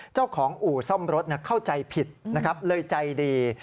เจ้าของอู่ซ่อมรถเข้าใจผิดนะครับเลยใจดี